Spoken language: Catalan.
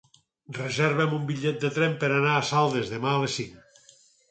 Reserva'm un bitllet de tren per anar a Saldes demà a les cinc.